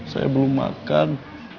saya belum makan